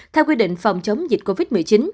theo quy định phòng chống dịch covid một mươi chín